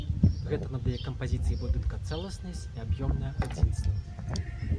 Гэта надае кампазіцыі будынка цэласнасць і аб'ёмнае адзінства.